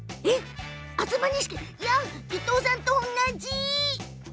あら、伊藤さんと同じ。